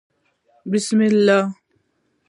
بسم الله